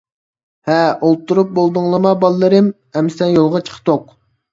-ھە ئولتۇرۇپ بولدۇڭلىما باللىرىم، ئەمسە يولغا چىقتۇق.